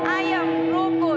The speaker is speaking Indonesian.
ayam rukun lan makmur amin